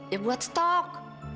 ya buat stok